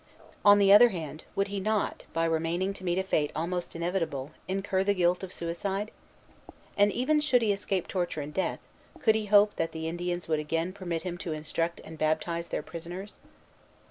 On the other hand, would he not, by remaining to meet a fate almost inevitable, incur the guilt of suicide? And even should he escape torture and death, could he hope that the Indians would again permit him to instruct and baptize their prisoners?